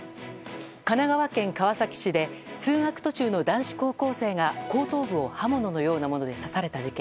神奈川県川崎市で通学途中の男子高校生が後頭部を刃物のようなもので刺された事件。